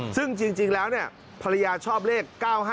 ซึ่งจริงแล้วภรรยาชอบเลข๙๕